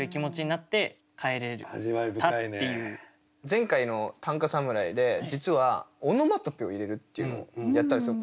前回の短歌侍で実はオノマトペを入れるっていうのをやったんですよ。